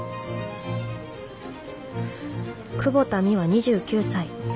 久保田ミワ２９歳。